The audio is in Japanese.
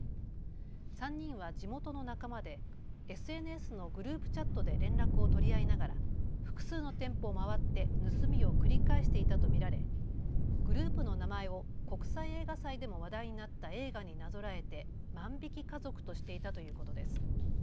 ３人は地元の仲間でＳＮＳのグループチャットで連絡を取り合いながら複数の店舗を回って盗みを繰り返していたと見られグループの名前を国際映画祭でも話題になった映画になぞらえて万引き家族としていたということです。